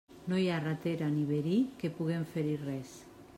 No hi ha ratera ni verí que puguen fer-hi res.